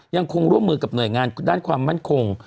ยังคงร่วมมือกับหน่วยงานด้านความมั่นคง